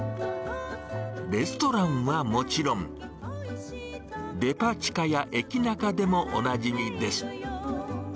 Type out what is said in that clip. レストランはもちろん、デパ地下や駅ナカでもおなじみです。